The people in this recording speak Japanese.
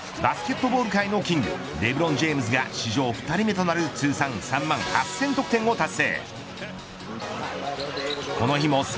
バスケットボール界のキングレブロン・ジェームズが史上２人目となる通算３万８０００点得点を達成。